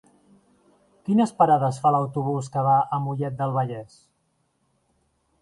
Quines parades fa l'autobús que va a Mollet del Vallès?